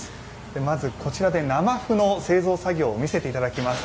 まず、こちらで生麩の製造作業を見せていただきます。